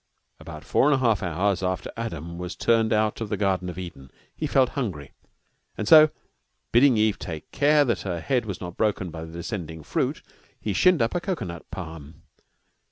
About four and a half hours after Adam was turned out of the Garden of Eden he felt hungry, and so, bidding Eve take care that her head was not broken by the descending fruit, shinned up a cocoanut palm.